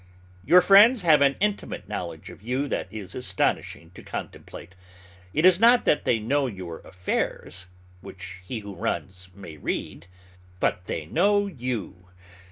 Your friends have an intimate knowledge of you that is astonishing to contemplate. It is not that they know your affairs, which he who runs may read, but they know you.